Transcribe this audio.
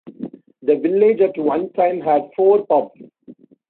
The village at one time had four pubs.